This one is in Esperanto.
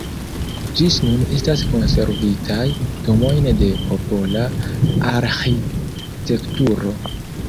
Ĝis nun estas konservitaj domoj de popola arĥitekturo.